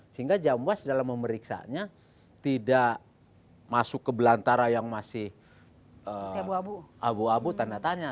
sehingga jamwas dalam memeriksanya tidak masuk ke belantara yang masih abu abu tanda tanya